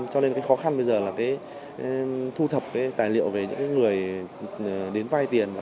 cho nên khó khăn bây giờ là thu thập tài liệu về những người đến vai tiền